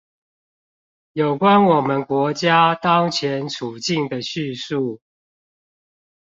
有關我們國家當前處境的敘述